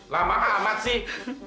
lah mahal amat sih